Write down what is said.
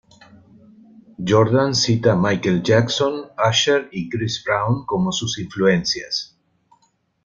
Jordan cita Michael Jackson, Usher y Chris Brown como sus influencias.